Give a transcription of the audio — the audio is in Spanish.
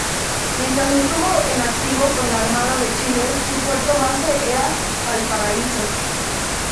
Mientras estuvo en activo con la armada de Chile, su puerto base era Valparaíso.